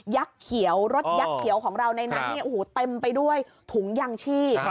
ยักษ์เขียวรถยักษ์เขียวของเราในหนังนี้โอ้โหเต็มไปด้วยถุงยั่งชี